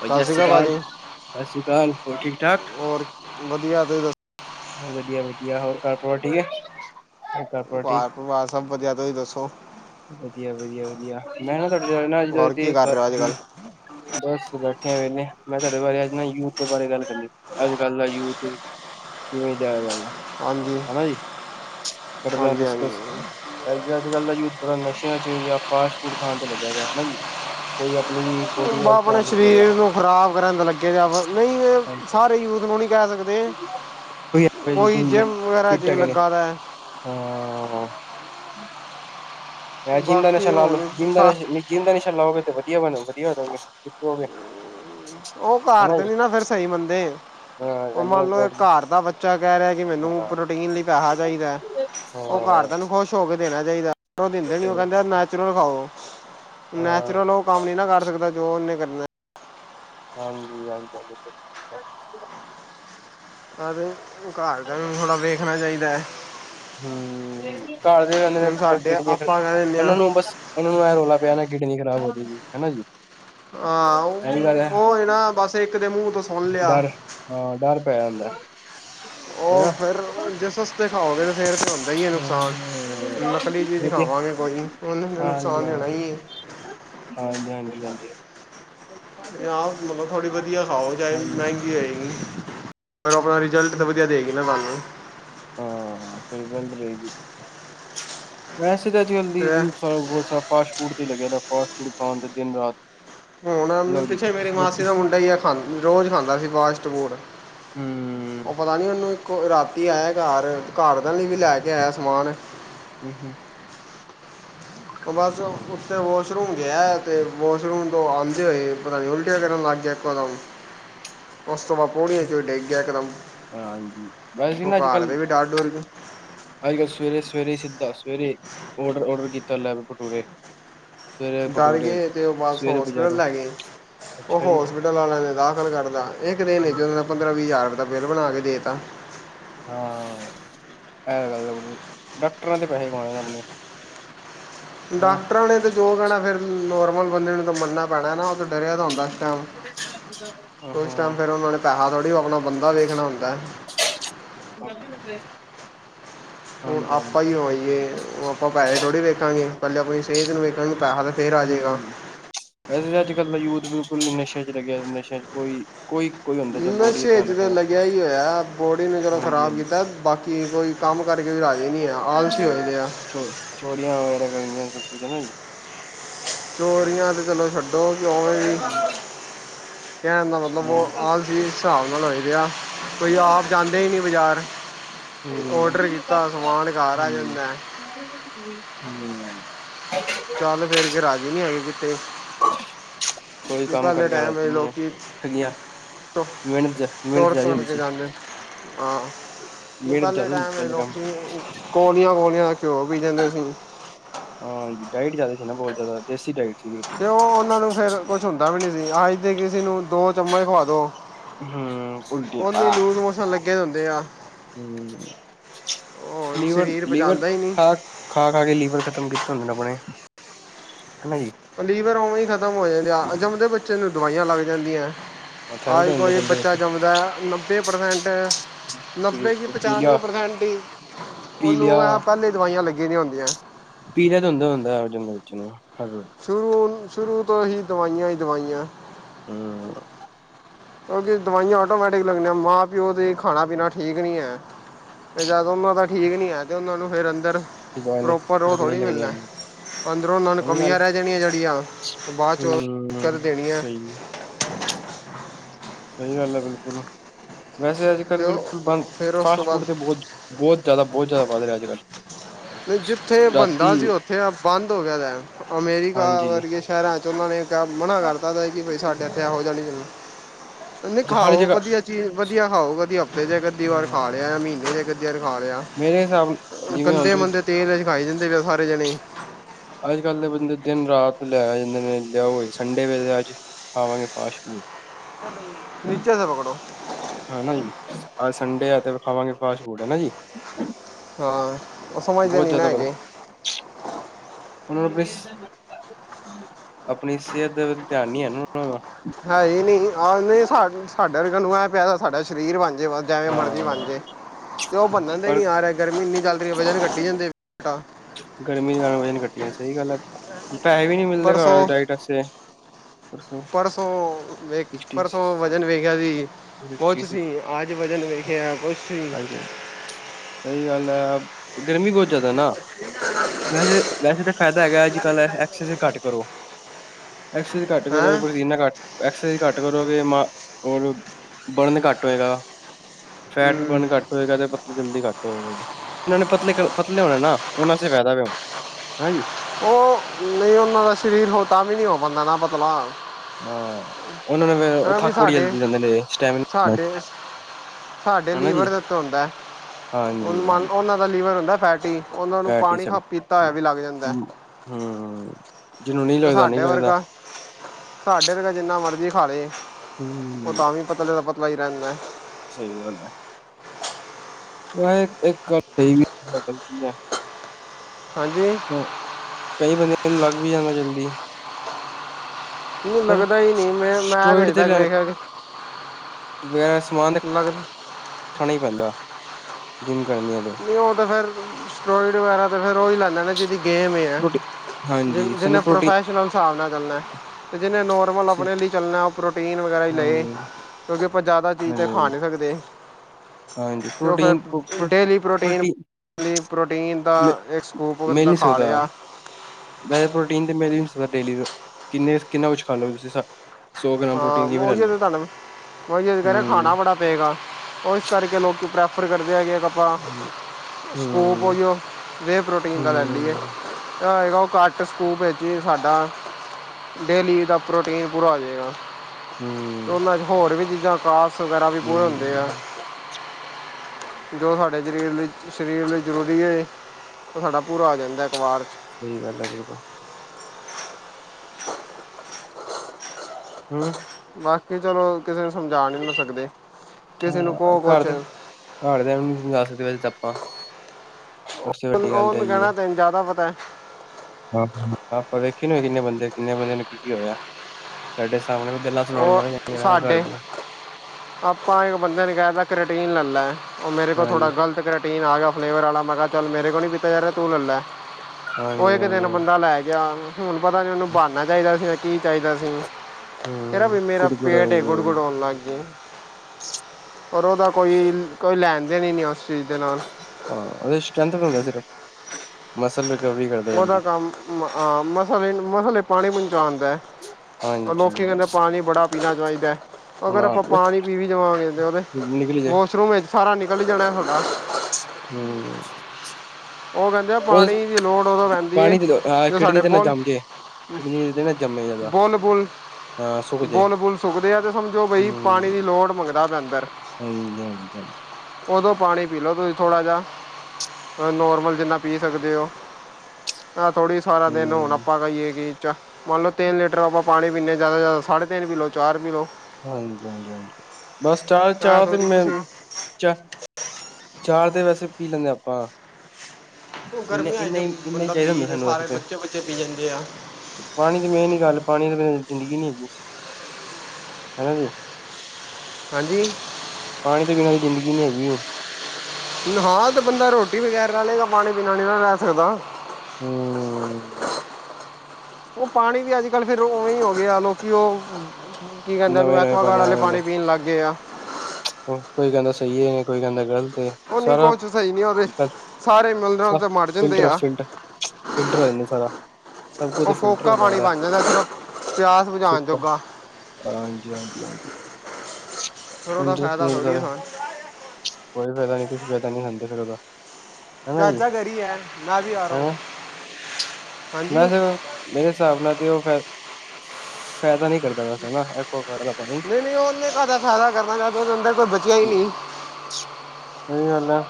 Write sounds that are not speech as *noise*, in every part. ਭਾਜੀ, ਸਤਿ ਸ਼੍ਰੀ ਅਕਾਲ, ਸਤਿ ਸ਼੍ਰੀ ਅਕਾਲ, ਹੋਰ ਠੀਕ ਠਾਕ? ਹੋਰ ਵਧੀਆ, ਤੁਸੀਂ ਦੱਸੋ? ਵਧੀਆ-ਵਧੀਆ ਹੋਰ ਘਰ ਪਰਿਵਾਰ ਠੀਕ ਹੈ? ਘਰ ਪਰਿਵਾਰ ਸਭ ਵਧੀਆ ਤੁਸੀਂ ਦੱਸੋ। ਵਧੀਆ-ਵਧੀਆ ਵਧੀਆ ਮੈਂ ਨਾ ਹੋਰ ਕੀ ਤੁਹਾਡੇ ਕਰ ਰਹੇ ਹੋ ਅੱਜ ਕੱਲ ਬਸ ਬੈਠੇ ਵਿਹਲੇ ਮੈਂ ਤੁਹਾਡੇ ਬਾਰੇ ਅੱਜ ਨਾ ਯੂਥ ਦੇ ਬਾਰੇ ਗੱਲ ਕਰਨੀ ਅੱਜ-ਕੱਲ ਦਾ ਯੂਥ। ਕਿਵੇਂ ਜਾ ਰਿਹਾ ਜੀ ਹਾਂਜੀ ਹੈ ਨਾ ਜੀ ਕਰਦੇ ਆ ਹਾਂਜੀ ਡਿਸਕਸ ਹਾਂਜੀ ਅੱਜ-ਕੱਲ੍ਹ ਦਾ ਯੂਥ ਬੜਾ ਨਸ਼ਿਆਂ ਚ'ਜਾਂ ਫਾਸਟ ਫੂਡ ਖਾਣ ਤੇ ਲੱਗਿਆ ਰਿਹਾ ਹੈ ਨਾ ਜੀ। ਕੋਈ ਆਪਣੀ ਬੋਡੀ ਦਾ ਆਪਣੇ ਧਿਆਨ ਨਹੀਂ ਦੇ ਰਿਹਾ ਸਰੀਰ ਨੂੰ ਖ਼ਰਾਬ ਕਰਨ ਦੇ ਲੱਗੇ ਨਹੀਂ ਹਾਂ ਬਸ ਨਹੀਂ। ਹਾਂਜੀ ਸਾਰੇ ਯੂਥ ਨੂੰ ਨਹੀਂ ਕਹਿ ਸਕਦੇ ਕੋਈ ਜਿੰਮ ਵਗੈਰਾ ਫਿਟ ਹੈਗੇ ਨੇ ਲੱਗਾ ਦਾ ਹੈ। ਹਾਂ। ਮੈਂ ਜਿਮ ਦਾ ਬਾਕੀ ਨਸ਼ਾ ਲਾ ਲਓ ਹੁਣ ਜਿਮ ਦਾ ਸਾ- ਨਸ਼ ਜਿੰਮ ਦਾ ਨਸ਼ਾ ਲਵਓਗੇ ਤੇ ਵਧਆ ਬਣੋ ਵਧੀਆ ਹੋ ਜਾਓਗੇ। ਉਹ ਘਰ ਹਨਾ ਤੇ ਜੀ ਨੀ ਨਾ ਫੇਰ ਸਹੀ ਬਨਦੇ ਹਾਂ ਉਹ ਕਹਿੰਦੇ ਮੰਨ ਲਓ ਇੱਕ ਬੋਡੀ ਘਰ ਦਾ ਬਾ। ਬੱਚਾ ਕਹਿ ਰਿਹਾ ਕਿ ਹਾਂ ਮੈਨੂੰ ਪ੍ਰੋਟੀਨ ਲਈ ਪੈਸਾ ਚਾਹੀਦਾ ਹੈ। ਉਹ ਹਾਂ ਘਰ ਦਿਆ ਨੂੰ ਖੁਸ਼ ਹੋ ਕੇ ਦੇਣਾ ਚਾਹੀਦਾ ਉਹ ਦਿੰਦੇ ਨੀ ਉਹ ਕਹਿੰਦੇ ਨੈਚੁਰਲ ਖਾਓ ਨੈਚੁਰਲ ਉਹ ਕੰਮ ਨਹੀਂ ਨਾ ਕਰ ਸਕਦਾ ਜੋ ਉਹਨੇ ਕਰਨਾ। ਹਾਂਜੀ, ਹਾਂਜੀ ਹਾਂ ਸਤਿ ਸ੍ਰੀ ਅਕਾਲ। ਕਹਤੇ ਘਰਦਿਆਂ ਨੂੰ ਥੋੜ੍ਹਾ ਵੇਖਣਾ ਚਾਹੀਦਾ। ਹਮ ਘਰ ਦੇ ਉਹਨਾਂ ਹੁਣ ਨੇ ਸਾਡੇ ਚਿੜ ਆਪਾਂ ਕਹਿ ਦਿੰਦੇ ਆ ਉਹਨਾਂ ਨੂੰ ਬਸ ਉਹਨਾਂ ਨੂੰ ਇਹਂ ਰੌਲਾ ਪਿਆ ਨਾ ਕਿਡਨੀ ਖਰਾਬ ਹੋ ਗਈ ਹੈ ਨਾ ਜੀ। ਹਾਂ ਇਹ ਵੀ ਗੱਲ ਹੈ ਉਹ ਏ ਨਾ ਬਸ ਇੱਕ ਦੇ ਮੂੰਹ ਤੋਂ ਸੁਣ ਲਿਆ। ਡਰ ਹਾਂ ਡਰ ਪੈ ਜਾਂਦਾ। ਉਹ ਹਨਾ ਫੇਰ ਜਿਸ ਖਾਓਗੇ ਤਾਂ ਫਿਰ ਤਾਂ ਹੁੰਦਾ ਹੀ ਹੈ ਨੁਕਸਾਨ ਨਕਲੀ ਚੀਜ਼ ਵਧੀਆ ਖਾਵਾਂਗੇ ਕੋਈ ਉਹਨਾਂ ਦਾ ਨੁਕਸਾਨ ਦੇਣਾ ਹੀ ਏ। ਨਾਲ ਜਾਂਦੀ ਹੈ। ਆਹ ਮਤਲਬ ਥੋੜ੍ਹੀ ਵਧੀਆ ਖਾਓ ਚਾਹੇ ਮਹਿੰਗੀ ਹੋਏਗੀ। ਪਰ ਓ ਆਪਣਾ ਰਿਜਲਟ ਤਾਂ ਵਧੀਆ ਦੇਗੀ ਨ ਤੁਹਾਨੂੰ ਹਾਂ *unintelligible* ਵੈਸੇ ਤਾਂ ਜੀ ਅੱਜ ਕਲ ਤੇ ਯੂਥ ਸਾਰਾ ਵ ਫਾਸਟ ਫੂਡ ਤੇ ਲੱਗਇਆ ਦਾ ਫਾਸਟ ਫੂਡ ਖਾਣ ਤੇ ਦਿਨ ਰਾਤ ਹੁਣ ਲਓ ਜੀ ਪਿੱਛੇ ਮੇਰੀ ਮਾਸੀ ਰੋਟੀ ਦਾ ਮੁੰਡਾ ਹੀ ਖਾਧਾ ਰੋਜ਼ ਖਾਂਦਾ ਸੀ ਫਾਸਟ ਫੂਡ ਹੂੰ ਓ ਪਤਾ ਨੀ ਉਹਨੂੰ ਇੱਕ ਰਾਤੀ ਆਇਆ ਘਾਰ ਘਾਰ ਦਿਆ ਲਈ ਵੀ ਲੈ ਕੇ ਆਇਆ ਸਮਾਨ ਹੂੰ-ਹੂੰ ਬਸ ਉੱਥੇ ਵਾਸ਼ਰੂਮ ਗਿਆ ਅਤੇ ਵਾਸ਼ਰੂਮ ਤੋਂ ਆਂਦੇ ਹੋਏ ਪਤਾ ਨਹੀਂ ਉਲਟੀਆਂ ਕਰਨ ਲੱਗ ਗਿਆ। *inaudible* *inaudible* ਉਸ ਤੋਂ ਬਾਦ ਪੋੜੀਆਂ ਚੋਂ ਡਿੱਗ ਗਿਆ ਇਕ ਦਮ ਹਾਂਜੀ ਵੈਸੇ ਓ ਨਾ ਅੱਜ ਘਾਰ ਕੱਲ ਦੇ ਵੀ ਡਰ ਡੁਰ ਗਏ। ਅੱਜ ਕੱਲ ਸਵੇਰੇ-ਸਵੇਰੇ ਸਿੱਧਾ ਸਵੇਰੇ ਆਰਡਰ-ਆਰਡਰ ਕੀਤਾ ਲੈ ਬਈ ਭਠੂਰੇ ਡਰ ਗਏ ਅਤੇ ਉਹ ਬਸ ਸਵੇਰੇ ਹੋਸਪਿਟਲ ਬਾਜ਼ਾਰੋਂ ਲੈ ਗਏ। ਓ ਅੱਛਾ ਜੀ ਹੋਸਪਿਟਲ ਵਾਲਿਆਂ ਨੇ ਦਾਖਲ ਕਰਦਾ ਇਹ ਦਿਨ ਵਿੱਚ ਹੂੰ, ਓ ਪੰਦਰਾਂ ਵੀਹ ਹਜ਼ਾਰ ਦਾ ਬਿੱਲ ਬਣਾ ਕੇ ਦੇ ਤਾ ਹਾਂ ਇਹ ਗੱਲ ਬਣੀ ਡਾਕਟਰਾਂ ਦੇ ਪੈਹੇ ਕਮਾਉਣੇ ਨੇ ਆਪਣੇ ਹਾਂ ਡਾਕਟਰਾਂ ਨੇ ਤਾਂ ਜੋ ਕਹਿਣਾ ਫਿਰ ਨੋਰਮਲ ਬੰਦੇ ਨੂੰ ਤਾਂ ਮੰਨਨਾ ਪੈਣਾ ਨਾ ਓ ਤੇ ਡਰਿਆ ਦਾ ਹੁੰਦਾ। ਅੱਛਾ ਹਾਂ ਉਸ ਹਾਂ ਟਾਈਮ ਫਿਰ ਉਹਨਾਂ ਨੇ ਪੈਹਾ ਥੋੜੀ ਓ ਆਪਣਾ ਬੰਦਾ ਵੇਖਣਾ ਹੁੰਦਾ। ਬੰਦ ਹੀ ਹੁੰਦੇ। ਹੁਣ ਆਪਾਂ ਹੀ ਆ ਹੋਈਏ ਆਪਾਂ ਪੈਹੇ ਥੋੜ੍ਹੇ ਵੇਖਾਂਗੇ ਪੈਲੇ ਆਪਣੀ ਸਿਹਤ ਨੂੰ ਵੇਖਾਂਗੇ ਪੈਹਾ ਹੂੰ ਵੈਸੇ ਅੱਜ ਕੱਲ ਦਾ ਯੂਥ ਬਿਲਕੁਲ ਨਸ਼ਿਆਂ 'ਚ ਲੱਗਿਆ ਨਸ਼ਿਆਂ 'ਚ ਕੋਈ ਕੋਈ- ਕੋਈ ਹੁੰਦਾ ਜੋ ਬੋਡੀ ਦਾ ਨਸੇ ਧਿਆਨ 'ਚ ਤਾਂ ਰੱਖਦਾ ਲੱਗਿਆ ਹੀ ਹੋਇਆ ਬੋਡੀ ਨੇ ਚਲੋਂ ਹਾਂਜੀ ਹਾਂਜੀ ਖਰਾਬ ਕੀਤਾ ਬਾਕੀ ਕੋਈ ਕੰਮ ਕਰਕੇ ਵੀ ਰਾਜੀ ਨਈ ਆ ਆਲਸੀ ਹੋਏ ਦੇ ਆ। ਚੋਰੀਆਂ ਵਗੈਰਾ ਕਰਨੀਆਂ ਸਭ ਕੁਝ ਹਨਾ ਜੀ। ਚੋਰੀਆਂ ਤੇ ਚਲੋ ਛੱਡੋ ਉਂਵੀ *inaudible* ਕੈਂਣ ਦਾ ਮਤਲਬ ਓ ਆਲਸੀ ਇਸ ਹਿਸਾਬ ਨਾਲ ਹੋ ਰਿਆ ਕੋਈ ਆਪ ਜਾਂਦੇ ਹੀ ਨਈ ਬਾਜ਼ਾਰ ਔਡਰ ਕੀਤਾ ਸਮਾਨ ਘਰ ਆ ਜਾਂਦਾ। *inaudible* ਪੈਲੇ ਵੇਖ ਕੇ ਰਾਜੀੇ ਨੀ ਹੈਗੇ ਕਿਤੇ *inaudible* ਕੰਮ ਪੈਲੇੇ ਕਰਕੇ ਟੈਮ ਰਾਜੀ ਵੇ ਨਹੀਂ ਹੈ ਲੋਕੀ ਠੱਗੀਆਂ ਤੁਰ- ਮਿਹਨਤ ਮਿਹਨਤ ਤੁਰ ਜ਼ਿਆਦਾ ਹੁੰਦੀ ਕੇ ਸੀ ਜਾਂਦੇ ਸੀ ਆ। ਮਿਹਨਤ ਪੈਲੇ ਜ਼ਿਆਦਾ ਹੁੰਦੀ ਟੈਮ ਸੀ ਪਹਿਲੇ ਕੰਮ ਲੋਕੀ ਕੋੋਲੀਆਂ-ਕੌਲੀਆਂ ਘਿਓ ਪੀ ਜਾਂਦੇ ਸੀ। ਹਾਂ ਡਾਇਟ ਜਾਦਾ ਸੀ ਨਾ ਬੋਲਦੇ ਸਨ। ਦੇਸੀ ਡਾਇਟ ਸੀ ਬਿਲ ਤੇ ਓ ਉਹਨਾਂ ਨੂੰ ਫਿਰ ਕੁਛ ਹੁੰਦਾ ਵੀ ਨੀ ਸੀ ਅੱਜ ਦੀ ਕਿਸੇ ਨੂੰ ਦੋ ਚੰਮਣ ਖਵਾ ਦੋ ਹਮ ਉਲਟੀਆਂ ਓਹਨੂੰ ਈ ਲੂਜ਼ ਮੌਸਣ ਲੱਗੇ ਦੇ ਹੁੰਦੇ ਆ। ਹੂੰ ਉਹ ਹੁਣ ਸਰੀਰ ਲੀਵਰ-ਲੀਵਰ ਪਚਾਉਂਦਾ ਹੀ ਨਹੀਂ ਫੈਟ ਖਾ-ਖਾ ਕੇ ਲੀਵਰ ਖਤਮ ਕੀਤੇ ਹੁੰਦੇ ਨੇ ਅਪਣੇ ਕਿ ਨਈ ਲੀਵਰ ਉਵੇਂ ਹੀ ਖਤਮ ਹੋ ਜਾਂਦੇ ਆ ਜੰਮਦੇ ਬੱਚੇ ਨੂੰ ਦਵਾਈਆਂ ਲੱਗ ਜਾਂਦੀਐ। ਥਾਇਰਡ ਅੱਜ ਹੋ ਜਾਂਦਾ ਕੋਈ ਜੰਮਦੇ ਬੱਚਾ ਬੱਚੇ ਜੰਮਦਾ ਐ ਨੱਬੇ ਪ੍ਰਸੈਂਟ ਨੱਬੇ ਕਿ ਪੀ- ਪੀਲੀਆ ਪਚਾਨਵੇਂ ਪ੍ਰਸੈਂਟ ਹੀ ਉਹਨੂੰ ਪੀਲੀਆ ਆ ਪੈਲੇ ਈ ਦਵਾਈਆਂ ਲੱਗੀ ਦੀਆਂ ਹੁਦੀਐ। ਪੀਲੀਆ ਤਾਂ ਹੁੰਦਾ-ਹੁੰਦਾ ਜਮੰਦੇ ਬੱਚੇ ਨੂੰ ਹਰ ਰੋਜ਼ ਸ਼ੁਰੂ-ਸ਼ੁਰੂ ਤੋਂ ਹੀ ਦਵਾਈਆਂ ਹੀ ਦਵਾਈਆਂ ਹੂੰ ਕਿਉਂਕਿ ਦਵਾਈਆਂ ਆਟੋਮੈਟਿਕ ਲੱਗਣੀਆਂ। ਮਾਂ -ਪਿਓ ਦੀ ਖਾਣਾ-ਪੀਣਾ ਠੀਕ ਨੀ ਹੈ। ਤੇ ਜਦ ਉਹਨਾਂ ਦਾ ਠੀਕ ਨੀ ਹੈ, ਤੇ ਉਹਨਾਂ ਨੂੰ ਫਿਰ ਅੰਦਰ ਜੁਆਇਨ ਪ੍ਰੋਪਰ ਉਹ ਲੱਗਣੀ ਥੋੜ੍ਹੀ ਲੱਗਣੀ ਮਿਲਨੈ। ਅੰਦਰੋਂ ਉਨ੍ਹਾਂ ਨੂੰ ਸਹੀ ਗੱਲ ਕਮੀਆਂ ਰਹਿ ਜਾਣੀਆਂ। ਜਿਹੜੀਆਂ ਬਾਅਦ ਚ ਓਹ ਦਿੱਕਤ ਹਮ ਦੇਣੀਐ। ਸਹੀ ਸਹੀ ਗੱਲ ਐ ਬਿਲਕੁਲ। ਵੈਸੇ ਤੇ ਅੱਜ-ਕੱਲ੍ਹ ਉਹ- ਬਿਲਕੁਲ ਬੰਦ, ਫਿਰ ਉਸ ਤੋਂ ਫਾਸਟ ਬਾਅਦ ਫੂਡ ਤੇ ਬੋਜ ਬਹੁਤ ਜਾਦਾ, ਬਹੁਤ ਜਾਦਾ ਵੱਧ ਰਿਹਾ ਅੱਜ-ਕੱਲ। ਜਿੱਥੇ ਬੰਨਦਾ ਸੀ ਓਥੇ ਬੰਦ ਹੋ ਗਿਆ ਡੈਮ। ਅਮੇਰੀਕਾ ਹਾਂਜੀ ਵਰਗੇ ਸ਼ਹਿਰਾਂ ਚ ਉਨਾਂ ਨੇ *inaudible* ਮਨਾ ਕਰਤਾ ਸੀ ਕਿ ਬਈ ਸਾਡੇ ਇੱਥੇ ਐਹੋ ਜਿਹਾ ਨਈ ਚਲਨਾ। ਹ *unintelligible* ਨਹੀਂ ਖਾਓ, ਵਧੀਆ ਚੀਜ਼, ਵਧੀਆ ਖਾਓ। ਵਦੀਆ, ਬੇਸ਼ਕ ਅੱਧੀ ਵਾਰ ਖਾ ਹਾਂ ਲਿਆ ਮਹੀਨੇ ਚ ਇੱਕ ਅੱਧੀ ਵਾਰ ਖਾ ਲਿਆ। ਮੇਰੇ ਹਿਸਾਬ ਜਿਵੇਂ ਹੁਣ ਗੰਦੇ ਤੁਹੀ ਮੰਦੇ ਤੇਲ ਚ ਖਾਈ ਜਾਂਦੇ ਪਏ ਆ ਸਾਰੇ ਜਣੇ। ਅੱਜ-ਕੱਲ ਦੇ ਬੰਦੇ ਦਿਨ-ਰਾਤ ਲੈ ਜਾਂਦੇ ਨੇ। ਲਿਆ ਓਏ ਸੰਡੇ ਵੇ, ਅੱਜ ਖਾਵਾਂਗੇ ਫਾਸਟ ਫੂਡ। ਹ *unintelligible* ਨੀਚੇ ਸੇ ਪਕੜੋ। ਹੈਨਾ ਜੀ, ਅੱਜ ਸੰਡੇ ਐ ਤੇ ਖਾਵਾਂਗੇ ਫਾਸਟ ਫੂਡ, ਹੈਨਾ ਜੀ। ਹਾਂ, ਉਹ ਸਮਝਦੇ ਨੀ ਨਾ ਹੈਗੇ। ਹੁਨ ਉਹ ਬਿਸ ਆਪਣੀ ਸਿਹਤ ਦੇ ਵਿੱਚ ਧਿਆਨ ਨੀ ਹੈ ਨਾ ਉਨ੍ਹਾਂ ਦਾਂ। ਹੈ ਈ ਨਹੀ ਆਹਨੀ ਸਾ, ਸਾਡਾ ਨੂਹਾ ਪਿਆ ਦਾ, ਸਾਡਾ ਸਰੀਰ ਬਨ ਜੇ ਵੱਧ। ਤੇ ਐਵੇਂ ਮਰਜ਼ੀ ਬਣ ਹਾਂ ਜਾਏ ਤੇ ਉਹ ਬੰਨ੍ਹਣ ਤੇ ਪਰ ਨੀ ਆ ਰਹੇ। ਗਰਮੀ ਇੰਨੀ ਚੱਲ ਰਹੀ, ਵਜਨ ਘੱਟੀ ਜਾਂਦੀ--ਤਾਂ। ਗਰਮੀ ਐਵੇਂ ਨੀਂ ਕੱਟੀਆ। ਸਹੀ ਗੱਲ ਐ। ਪੈਹੇ ਵੀ ਨਹੀਂ ਮਿਲਦੇ ਪਰਸੋਂ ਘਰ ਡਾਇਟ ਵਾਸਤੇ। ਪਰਸੋਂ ਪਰਸੋਂ ਵੇਖ, ਸਿਕਸਟੀ ਪਰਸੋਂ ਵਜ਼ਨ ਵੇਖਿਆ ਸੀ। ਸਿਕਸਟੀ ਕੁਛ ਸੀ। ਸਿਕਸ ਅੱਜ ਵਜਨ ਵੇਖਿਆ, ਕੁਛ ਸੀ। ਸਹੀ ਗੱਲ ਐ, ਗਰਮੀ ਬਹੁਤ ਜ਼ਿਆਦਾ ਨਾ। ਵੈਸੇ-ਵੈਸੇ ਤਾਂ ਫਾਇਦਾ ਹੈਗਾ। ਅੱਜ-ਕੱਲ੍ਹ ਐਕਸਰਸਾਈਜ਼ ਘੱਟ ਕਰੋ। ਐਕਸਜ਼ ਘੱਟ ਕਰੋਗੇ, ਹੈ ਪਸੀਨਾ ਘੱਟ। ਐਕਸਰਸਜ਼ ਘੱਟ ਕਰੋਗੇ, ਮਾ ਔਰ ਬਰਨ ਘੱਟ ਹੋਏਗਾ। ਫੈਟ ਬਰਨ ਘੱਟ ਹੋਏਗਾ ਤੇ ਪਤਲੇ ਜਲਦੀ ਘੱਟ ਹੋਣਗੇ, ਇੰਨ੍ਹਾ ਨੇ ਪਤਲੇ-ਪਤਲੇ ਹੋਣੈ ਨਾ। ਉਹਨਾਂ ਸੇ ਫਾਇਦਾ ਵੇ ਹੁਨ। ਹਾਂਨ। ਔਹ ਨਹੀਂ, ਉਹਨਾਂ ਦਾ ਸ਼ਰੀਰ ਹੋਟਾ ਵੀ ਨੀ ਹੋਪਾਂਦਾ, ਨਾ ਪਤਲਾ। ਹਾਂ, ਉਹਨਾਂ ਨੇ ਐ ਵੀ ਥੱਕ ਬੜੀ ਸਾਡੇ ਜਲਦੀ ਜਾਂਦੇ ਨੇ *unintelligible* ਸਾਡੇ ਸਾਡੇ ਹਨਾ ਜੀ ਲੀਵਰ ਦੇ ਉਤੇ ਹੁੰਦੈ, ਉਨ ਹਾਂਜੀ ਮਨ ਹਾਂਜੀ ਉਹਨਾਂ ਉਨਾ ਲੀਵਰ ਹੁੰਦਾ ਫੈਟੀ। ਉਹਨਾਂ ਨੂੰ ਫੈਟ ਹੀ ਪਾਣੀ ਖਾ ਸਨ - ਪੀਤਾ ਹੋਇਆ ਵੀ ਲੱਗ ਜਾਂਦਾ। ਹੂੰ, *inaudible* ਜਿਹਨੂੰ ਨਹੀਂ ਤੇ ਲੱਗਦਾ ਨਹੀਂ ਸਾਡੇ ਲੱਗਦਾ। ਵਰਗਾ--ਸਾਡੇ ਵਰਗਾ ਜਿੰਨਾ ਮਰਜ਼ੀ ਖਾਲੇ। ਹੂੰ। ਉਹ ਤਾਂ ਵੀ ਪਤਲੇ ਦਾ ਪਤਲਾ ਹੀ ਰਹਿੰਦੈ। ਸਹੀ ਗੱਲ ਐ। ਵੈਹੇ ਇੱਕ ਗਲ ਸਹੀ ਵੀ ਗ *unintelligible* ਹਾਂ, ਜੀ। ਕਈ ਬੰਦਿਆਂ ਨੂੰ ਲੱਗ ਵੀ ਜਾਂਦਾ ਜਲਦੀ। ਮੈਂਨੂੰ ਪਰ ਲੱਗਦਾ ਹੀ ਨੀ, ਮੈਂ, ਮੈਂ ਅਜੇ ਤੱਕ ਵੇਖਿਆ ਵੀ ਨੀ ਜੋ ਪਿਆ ਏ ਸਮਾਨ ਤੇ, ਲੱਗਦਾ ਖਾਣਾ ਹੀ ਪੈਂਦਾ, ਜਿੰਮ ਕਰਨੀ ਆ ਤੇ। ਅਤੇ ਉਹ ਤਾਂ ਫਿਰ, ਸਟਰਾਇਡ ਵਗੈਰਾ ਤਾਂ ਫਿਰ ਉਹ ਹੀ, ਲਾਉਂਦਾ ਨਾ ਜਿਹਦੀ ਗੇਮ ਏਨਾ ਪ੍ਰੋਟੀ ਹਾਂਜੀ, ਮੇਰਾ ਜਿੰਨਾ ਸਾਨੂੰ ਪ੍ਰੋਟੀ ਪ੍ਰੋਫਾਈਲ ਚਲਾ ਹਿਸਾਬ ਨਾਲ ਚੱਲਣਾ, ਅਤੇ ਜਿੰਨੇ ਨੋਰਮਲ ਆਪਣੇ ਲਈ ਚੱਲਣਾ, ਉਹ ਪ੍ਰੋਟੀਨ ਵਗੈਰਾ ਲਏ। ਹਾਂਜੀ, ਕਿਉਂਕਿ, ਆਪਾਂ ਜ਼ਿਆਦਾ ਚੀਜ਼ ਤੇ ਖਾ ਹਾਂਜੀ, ਨਹੀਂ, ਸਕਦੇ ਹਾਂਜੀ ਅਤੇ ਫਿਰ ਪ੍ਰੋਟੀਨ ਡੇਲੀ ਪ੍ਰੋਟੀਨ ਤੇ ਪ੍ਰੋਟੀਨ ਦਾ ਮ ਇੱਕ ਸਕੂਪ ਓਦਾਂ ਖਾ ਰਿਹਾ ਮੈਂ ਪ੍ਰੋਟੀਨ ਤੇ ਮੇਰਾ ਡੇਲੀ ਦਾ, ਕਿੰਨੇ- ਕਿੰਨਾ ਕੁਛ ਖਾ ਲਓ ਤੁਸੀਂ ਸੌ ਗ੍ਰਾਮ ਪ੍ਰੋਟੀਨ ਹਾਂ ਕਿਵੇਂ ਲੈ ਉਹੀ ਲਓ, ਤੇ ਤੁਹਾਨੂੰ, ਓਹੀ ਕਹਿ ਰਿਹਾ ਖਾਣਾ ਹੂੰ, ਬੜਾ ਪਏਗਾ, ਉਹ ਇਸ ਕਰਕੇ ਲੋਕ ਪ੍ਰੈਫਰ, ਕਰਦੇ ਹੈਗੇ ਆ ਆਪਾਂ ਸਕੂਪ ਹੂੰ। ਓਹੀਓ, ਵੇ ਪ੍ਰੋਟੀਨ ਦਾ ਲੈਦੀ ਏ, ਹੂੰ, ਆਏਗਾ, ਉਹ ਕੱਟ ਸਕੂਪ ਵਿੱਚ ਸਾਡਾ ਡੇਲੀ ਦਾ, ਪ੍ਰੋਟੀਨ ਪੂਰਾ ਹੋ ਜਾਏਗਾ। ਤੇ ਹੂੰ, ਉਹਨਾਂ ਚ, ਹੋਰ ਵੀ ਚੀਜ਼ਾਂ ਖਾਸ ਵਗੈਰਾ ਵੀ ਪੂਰੇ ਹੁੰਦੇ ਆ ਹੂੰ, *unintelligible* *inaudible* ਜੋ ਸਾਡੇ ਸਰੀਰ ਲਈ, ਸਰੀਰ ਲਈ ਜ਼ਰੂਰੀ ਏ, ਉਹ ਸਾਡਾ ਪੂਰਾ ਆ, ਜਾਂਦਾ ਇਕ ਵਾਰ ਸਹੀ, ਗੱਲ ਐ ਬਿਲਕੁਲ। ਹੂ। ਬਾਕੀ ਚਲੋ, ਕਿਸੇ ਨੂੰ ਸਮਝਾ ਨਹੀਂ ਨਾ ਸਕਦੇ, ਕਿਸੇ ਨੂੰ ਹਾਂ। ਕਹੋ ਘਰ ਕੁਛ ਦੇ ਘਰਦਿਆਂ ਨੂੰ ਨਈ ਦੱਸ ਸਕਦੇ ਆਪਾਂ, ਸਭ ਤੋਂ ਵੱਡੀ ਗੱਲ ਤਾਂ ਉਹਨੂੰ ਏਹੀ ਏ, ਕਹਿਣਾ ਤੈਨੂੰ ਜ਼ਿਆਦਾ ਪਤਾ ਆਹ ਆਪਾਂ ਵੇਖਿਆ ਨਈ, ਕਿੰਨੇ ਬੰਦੇ ਕਿੰਨੇ ਬੰਦਿਆਂ ਨੂੰ ਕੀ -ਕੀ ਹੋਇਆ ਸਾਡੇ ਸਾਹਮਣੇ ਵੀ, ਗੱਲਾਂ ਸੁਣਾਉਣ ਲੱਗ ਉਹ ਜਾਣਗੀਆਂ ਘਰ ਸਾਡੇ ਦੀਆਂ। ਆਪਾਂ ਇੱਕ ਬੰਦੇ ਨੇ ਕਹਿ ਤਾ, ਕਿਰਟੀਨ ਲੈ ਲੈ, ਉਹ ਮੇਰੇ ਕੋਲ ਹਾਂਜੀ, ਥੋੜਾ ਗ਼ਲਤ ਕਰੈਟੀਨ ਆ ਗਿਆ ਫਲੇਵਰ ਵਾਲਾ, ਮੈਂ ਕਿਹਾ ਕਿ, ਮੇਰੇ ਕੋਲ ਨਹੀਂ ਪੀਤਾ ਜਾ ਰਿਹਾ, ਤੂੰ ਲੈ ਲੈ ਹਾਂਜੀ, ਉਹ ਇੱਕ ਦਿਨ ਹਾਂਜੀ, ਹਾਂਜੀ। ਬੰਦਾ ਲੈ ਗਿਆ, ਹੁਣ ਪਤਾ ਨਹੀਂ ਉਹਨੂੰ ਬਹਾਨਾ ਚਾਹੀਦਾ ਸੀ, ਕੀ ਚਾਹੀਦਾ ਸੀ। ਕਹਿੰਦਾ, ਹੂੰ, ਵੀ ਮੇਰਾ ਗੁੜ-ਗੁੜ ਪੇਟ ਗੁੜ -ਗੁੜ ਹੋਣ ਲੱਗ ਗਿਆ ਔਰ ਉਹਦਾ, ਕੋਈ- ਕੋਈ ਲੈਣ- ਦੇਣ ਹੀ ਨਹੀ ਉਸ ਚੀਜ਼ ਦੇ ਨਾਲ ਹਾਂ ਅਜੇ, ਸਟੰਟ ਕਢਾਉਣੇ ਸੀ ਸਿਰਫ ਮਸਲ ਰਿਕਵਰੀ ਕਰ ਉਹਦਾ ਕੰਮ ਹਾਂ ਮਸਲੇ -ਮਸਲੇ ਪਾਣੀ ਪਹੁੰਚਾਣਦਾ ਹਾਂਜੀ। ਲੋਕੀ ਕਹਿੰਦੇ, ਪਾਣੀ ਬੜਾ ਪੀਣਾ ਚਾਹੀਦਾ। ਅਗਰ ਨਾ ਆਪਾਂ, ਪਾਣੀ ਪੀ ਵੀ ਜਾਵਾਂਗੇ, ਉਹ ਤੇ ਨਿਕਲੀ ਜੇ, ਵਾਸ਼ਰੂਮ ਵਿੱਚ, ਸਾਰਾ ਨਿਕਲ ਜਾਣਾ ਤੁਹਾਡਾ ਹੂ। ਉਹ ਕਹਿੰਦੇ ਆ, ਪਾਣੀ ਦੀ ਲੋੜ ਉਦੋਂ ਪੈਂਦੀ ਏ, ਪਾਣੀ ਹਾਂ ਜਦੋਂ ਸਾਡੇ ਕਿਡਨੀ ਤੇ ਨਾ ਬੁੱ--ਲ ਜੰਮ ਜੇ, ਕਿਡਨੀ ਤੇ ਨਾ ਜੰਮੇ ਬੁਲ- ਜ਼ਿਆਦਾ, ਬੁੱਲ ਬੁਲ, ਹਾਂ ਸੁੱਕ ਜੇ। ਬੁੱਲ ਸੁੱਕਦੇ ਆ ਤੇ ਸਮਝੋ ਬਈ, ਪਾਣੀ ਦੀ ਲੋੜ ਮੰਗਦਾ ਪਿਆ ਅੰਦਰ ਹਾਂਜੀ -ਹਾਂਜੀ। ਉਦੋਂ, ਪਾਣੀ ਪੀ ਲਓ ਤੁਸੀਂ ਥੋੜਾ ਜਿਹਾ, ਨੋਰ ਨੋਰਮਲ, ਜਿੰਨਾ ਪੀ ਸਕਦੇ ਓ, ਏਨਾ ਥੋੜ੍ਹੀ ਸਾਰਾ ਦਿਨ ਹੁਣ, ਹੂੰ, ਆਪਾਂ ਕਹੀਏ ਕਿ ਮੰਨ ਲੋ, ਤਿੰਨ ਲੀਟਰ ਆਪਾਂ ਪਾਣੀ ਪੀੇਣੇ ਜਿਆਦਾ -ਜਿਆਦਾ ਸਾਢੇ ਤਿੰਨ ਪੀ ਲਓ, ਚਾਰ ਪੀ ਲਓ ਹਾਂਜੀ, ਹਾਂਜੀ- ਹਾਂਜੀ, ਬਸ ਚਾਹ- ਆ ਚਾਹ ਤੇ ਥੋੜੀ ਮੈਂ ਤੁਸੀਂ ਚਾ, ਚਾਹ ਤੇ ਵੈਸੇ ਪੀ ਲੈਂਦੇ ਆਪਾਂ ਇੰਨੇ ਗਰਮੀ ਆਈ ਇੰਨਾ ਹੀ ਜਾਂਦੀ ਤੇ ਇੰਨਾ ਹੀ ਬੰਦਾ ਚਾਹੀਦਾ ਹੁੰਦਾ ਪੀ ਸਾਨੂੰ ਵੈਸੇ ਸਾਰੇ ਤੇ ਬੱਚੇ- ਬੁੱਚੇ ਪੀ ਜਾਂਦੇ ਆ ਪਾਣੀ ਤੇ ਮੇਨ ਗੱਲ, ਪਾਣੀ ਤੋਂ ਬਿਨਾਂ ਜ਼ਿੰਦਗੀ ਨਈ ਹੈਗੀ। ਹਨਾ, ਜੀ। ਹਾਂਜੀ। ਪਾਣੀ ਤੋਂ ਬਿਨਾਂ ਤੇ ਜ਼ਿੰਦਗੀ ਨੀ ਹੈਗੀ। ਹਾਂ ਤੇ ਬੰਦਾ ਰੋਟੀ ਬਗੈਰ ਰਹਿ ਲੇਗਾ, ਪਾਣੀ ਬਿਨਾਂ ਨਹੀਂ ਰਹਿ ਸਕਦਾ। ਉਹ ਪਾਣੀ ਵੀ ਅਜ ਕਲ ਫਿਰ ਉਵੇ ਹੀ ਹੋ ਗਿਆ ਲੋਕੀ ਉਹ- ਕੀ ਕਹਿਦੇ ਉਹਨੂੰ ਨਵੇਂ-ਨਵੇਂ ਐਕਵਾਗਾਰਡ ਪਾਣੇ ਆ ਆਲੇ ਗਏ ਨੇ ਪਾਣੀ ਪੀਣ ਲੱਗ ਗਏ ਐ। ਕੋਈ ਕਹਿੰਦੈ ਸਹੀ ਏ ਕੋਈ ਕਹਿੰਦੈ ਗਲਤ ਏ ਉਹ ਨਹੀਂ ਸਾਰਾ ਕੁਛ ਸਹੀ ਨਹੀਂ ਉਹਦੇ ਫਿਲਟਰ ਸਾਰੇ ਮਿਨਰਲ ਤੇ ਮਰ ਜਾਂਦੇ ਆ ਸ਼ਲਦਰ *unintelligible* ਫਿਲਟਰ ਇਹਨ ਸਾਰਾ- ਸਭ ਕੁਝ ਉਹ ਫਿਲਟਰ ਫੋਕਾ ਹੋ ਪਾਣੀ ਜਾਂਦੈ ਬਣ ਜਾਂਦਾ ਸਿਰਫ ਪਿਆਸ ਬੁਝਾਉਣ ਸੁੱਕ ਜੋਗਾ ਹਾਂਜੀ -ਹਾਂਜੀ- ਹਾਂਜੀ- ਫਿਰ ਉਹਦਾ ਫਾਇਦਾ ਥੋੜੀ ਕੋਈ ਆਸਾਨ ਫਾਇਦਾ ਨੀ ਕੁਛ ਫਾਇਦਾ ਨੀ ਸਾਨ ਤੇ ਫੇਰ ਉਹਦਾ- ਹਨਾ ਜੀ ਚਾਚਾ ਘਰੀ ਐ ਮੈਂ ਅਭੀ ਆ ਰਹਾ ਹੂੰ ਹਾਂ ਹਾਂਜੀ- ਵੈਸੇ ਮੇਰੇ ਹਿਸਾਬ ਨਾਲ ਤੇ ਉਹ ਫੇਰ ਫੈਦਾ ਨੀ ਕਰਦਾ ਵੈਸਾ ਐਕਵਾਗਾਰਡ ਆਲਾ ਪਾਣੀ- ਅਤੇ ਨਹੀ ਉਹਨੇ ਕਾਦਾ ਫੈਦਾ ਕਰਨਾ ਜਦ ਓਹਦੇ ਅੰਦਰ ਕੁਛ ਬਚਿਆ ਹੀ ਨਹੀ- ਸਹੀ ਗੱਲ ਐ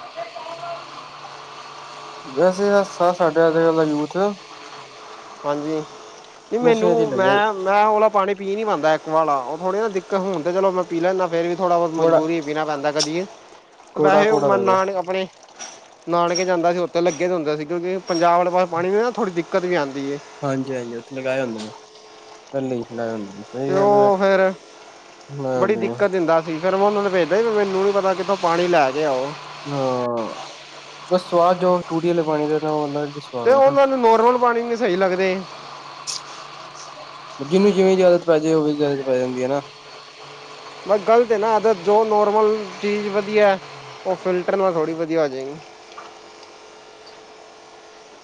ਵੈਸੇ *unintelligible* ਸਾਡੇ ਆਲਾ ਯੂਥ- ਹਾਂਜੀ ਨੀ ਮੈਨੂੰ ਨਸ਼ਿਆਂ ਚ ਹੀ ਲੱਗਿਆ ਮੈ- ਮੈਂ ਉਹਲਾ ਪਾਣੀ ਪੀ ਨੀਂ ਪਾਂਦਾ ਐਕਵਾ ਆਲਾ ਉਹ ਥੋੜੇ ਨਾ ਦਿੱਕਤ ਹੁਣ ਤੇ ਚਲੋ ਮੈ ਪੀ ਲੈਂਦਾ ਫੇਰ ਵੀ- ਥੋੜ੍ਹਾ ਬਹੁਤ ਕੌੜਾ ਮਜਬੂਰੀ ਚ ਪੀਣਾ ਪੈਂਦਾ ਕਦੀ ਏ ਕੌੜਾ ਵੈਸੇ ਕੌੜਾ ਮੈ ਲੱਗਦਾ ਨਾ ਆਪਣੇ- ਨਾਨਕੇ ਜਾਂਦਾ ਸੀ ਉਥੇ ਲੱਗੇ ਹੁੰਦੇ ਸੀ ਕਿਉਕਿ ਪੰਜਾਬ ਵਾਲੇ ਪਾਸ ਪਾਣੀ ਦੀ ਨਾ ਥੋੜ੍ਹੀ ਦਿੱਕਤ ਵੀ ਆਂਦੀ ਏ। ਹਾਂਜੀ ਹਾਂਜੀ ਉਥੇ ਲਗਾਏ ਹੁੰਦੇ ਨੇ *unintelligible* ਤੇ ਹੈ ਉਹ ਫੇਰ ਲਗਾਏ ਬੜੀ ਹੁੰਦੇ ਨੇ ਦਿੱਕਤ ਦਿੰਦਾ- ਫੇਰ ਮੈਂ ਉਹਨਾਂ ਨੂੰ ਭੇਜਦਾ ਈ ਮੈਨੂੰ ਨੀ ਪਤਾ ਕਿੱਥੋਂ ਪਾਣੀ ਲੈ ਕੇ ਆਓ- ਹਾਂ ਬਸ ਸਵਾਦ ਜੋ ਟੂਟੀ ਵਾਲੇ ਪਾਣੀ ਦਾ ਤੇ ਸਵਾਦ ਹੈ ਨਾ ਉਹਨਾਂ ਨੂੰ ਨੋਰਮਲ ਪਾਣੀ ਨਹੀ ਸਹੀ ਲੱਗਦੇ- ਜਿਹਨੂੰ ਜਿਵੇ ਦੀ ਆਦਤ ਪੈ ਜੇ ਉਵੇ ਦੀ ਆਦਤ ਪੈ ਜਾਂਦੀ ਏ ਨਾ। ਬਸ ਗਲਤ ਏ ਨਾ ਅਗਰ ਜੋ ਨੋਰਮਲ ਚੀਜ ਵਧੀਐ। ਉਹ ਫਿਲਟਰ ਨਾਲ ਥੋੜੀ ਵਧੀਆ ਹੋ ਜੇਗੀ ਹ *inaudible*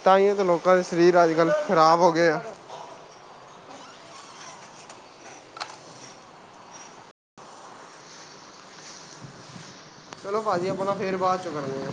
ਤਾਂਹੀਓਂ ਤੇ ਲੋਕਾਂ ਦੇ ਸਰੀਰ ਅਜ ਕਲ ਖ਼ਰਾਬ ਹੋ ਗਏ ਆ। ਚਲੋ ਪਾਜੀ ਆਪਾ ਨਾ ਫੇਰ ਬਾਚੋਂ ਕਰਨੇ ਆਂ